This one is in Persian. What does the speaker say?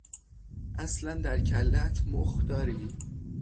اصلا در کلهات مخ داری؟